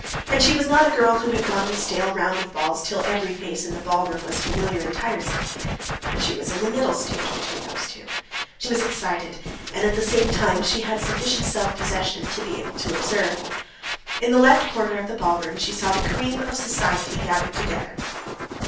And she was not a girl who had gone the stale round of balls till every face in the ballroom was familiar and tiresome. But she was in the middle stage between these two; she was excited, and at the same time she had sufficient self possession to be able to observe. In the left corner of the ballroom she saw the cream of society gathered together.